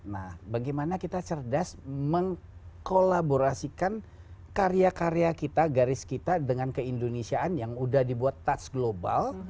nah bagaimana kita cerdas mengkolaborasikan karya karya kita garis kita dengan keindonesiaan yang udah dibuat touch global